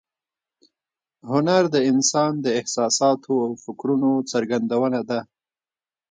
هنر د انسان د احساساتو او فکرونو څرګندونه ده